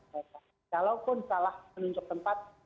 walaupun salah menunjuk tempat